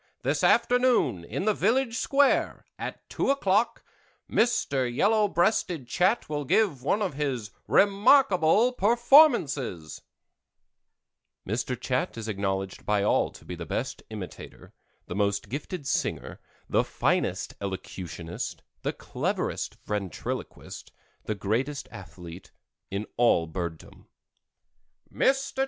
This Afternoon—in the Village Square At Two O'clock, Mr. Yellow Breasted Chat will give one of his REMARKABLE PERFORMANCES Mr. Chat is acknowledged by all to be the best imitator, the most gifted singer, the finest elocutionist, the cleverest ventriloquist, the greatest athlete in all bird dom. MR.